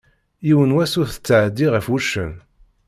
Yiwen wass i tettɛeddi ɣef wuccen.